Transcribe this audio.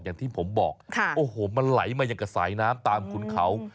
อย่างที่ผมบอกโอ้โหมันไหลมาอย่างกับสายน้ำตามขุนเขา